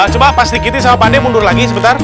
coba pak stigiti sama pak de mundur lagi sebentar